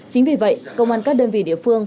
chính vì vậy công an các đơn vị địa phương